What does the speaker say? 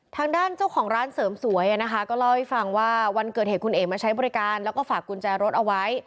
ทางด้านเจ้าของร้านเสริมสวยนะคะก็เล่าให้ฟังว่าวันเกิดเหตุคุณเอ๋มาใช้บริการแล้วก็ฝากกุญแจรถเอาไว้